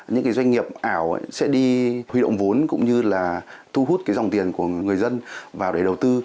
những cái doanh nghiệp ảo sẽ đi huy động vốn cũng như là thu hút cái dòng tiền của người dân vào để đầu tư